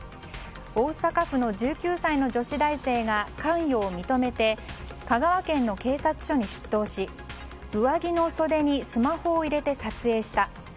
大阪府の１９歳の女子大生が関与を認めて香川県の警察署に出頭し上着の袖にスマホを入れて撮影した。